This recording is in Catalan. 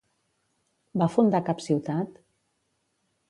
Va fundar cap ciutat?